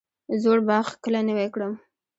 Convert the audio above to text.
زوړ باغ کله نوی کړم؟